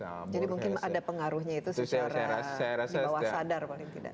jadi mungkin ada pengaruhnya itu secara di bawah sadar mungkin tidak